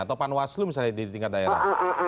atau pan waslu misalnya di tingkat daerah